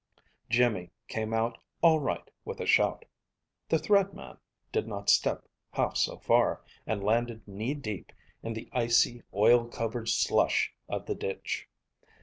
Jimmy came out all right with a shout. The Thread Man did not step half so far, and landed knee deep in the icy oil covered slush of the ditch.